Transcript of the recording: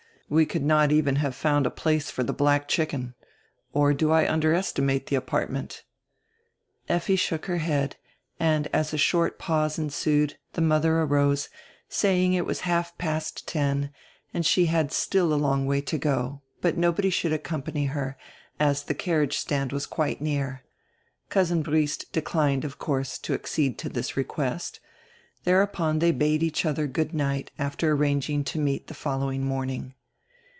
We could not even have found a place for die black chicken. Or do I underestimate die apartment?" Effi shook her head, and as a short pause ensued die mother arose, saying it was half past ten and she had still a long way to go, but nobody should accompany her, as die carriage stand was quite near. Cousin Briest declined, of course, to accede to this request. Thereupon they bade each other good night, after arranging to meet the following morning.